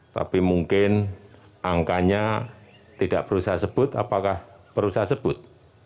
tapi mungkin angkanya tidak perlu saya sebut apakah perlu saya sebut